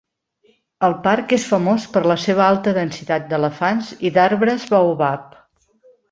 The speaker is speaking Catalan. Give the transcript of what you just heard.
El parc és famós per la seva alta densitat d'elefants i d'arbres baobab.